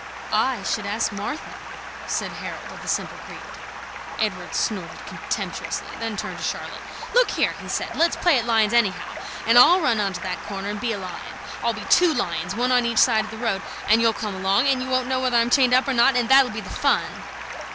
"I should ask Martha," said Harold of the simple creed. Edward snorted contemptuously, then turned to Charlotte. "Look here," he said; "let's play at lions, anyhow, and I'll run on to that corner and be a lion, I'll be two lions, one on each side of the road, and you'll come along, and you won't know whether I'm chained up or not, and that'll be the fun!"